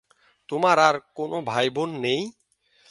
তোমার কোন ভাই বোন নেই?